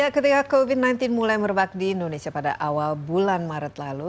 ketika covid sembilan belas mulai merebak di indonesia pada awal bulan maret lalu